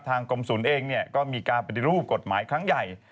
กรมศูนย์เองก็มีการปฏิรูปกฎหมายครั้งใหญ่